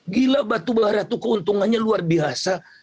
gila batubara itu keuntungannya luar biasa